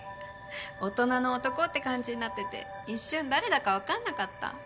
大人の男って感じになってて一瞬誰だか分かんなかった。